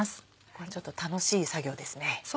これちょっと楽しい作業ですね。